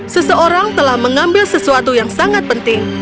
seseorang telah mengambil sesuatu yang sangat penting